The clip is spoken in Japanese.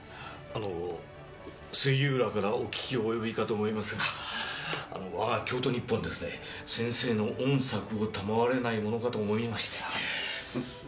あの杉浦からお聞き及びかと思いますが我が京都日報にですね先生の御作を賜れないものかと思いましてはい。